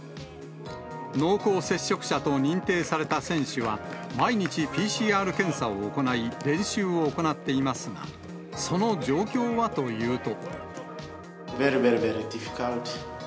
濃厚接触者と認定された選手は、毎日ＰＣＲ検査を行い練習を行っていますが、その状況はというと。